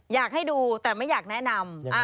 อยากให้ดูแต่ไม่อยากแนะนำ